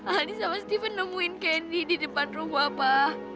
aldi sama steven nemuin kenny di depan rumah pak